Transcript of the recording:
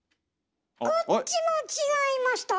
こっちも違いました。